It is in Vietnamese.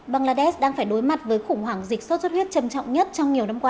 bangladesh đang phải đối mặt với khủng hoảng dịch sốt xuất huyết trầm trọng nhất trong nhiều năm qua